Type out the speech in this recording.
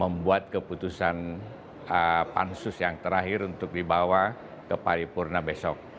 membuat keputusan pansus yang terakhir untuk dibawa ke paripurna besok